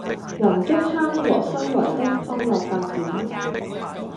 黃竹坑和新圍的康樂發展